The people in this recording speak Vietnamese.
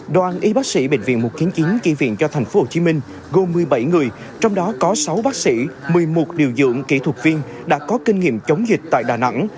đoàn y bác sĩ bệnh viện một trăm chín mươi chín chi viện cho tp hcm gồm một mươi bảy người trong đó có sáu bác sĩ một mươi một điều dưỡng kỹ thuật viên đã có kinh nghiệm chống dịch tại đà nẵng